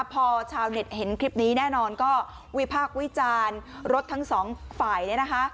พอชาวเน็ตเห็นคลิปนี้แน่นอนก็วิพากษ์วิจารณ์รถทั้งสองฝ่ายเนี่ยนะคะ